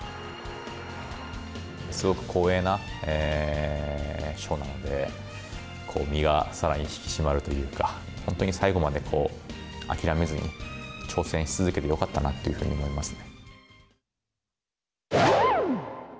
すごく光栄な章なので、身がさらに引き締まるというか、本当に最後まで諦めずに、挑戦し続けてよかったなというふうに思いますね。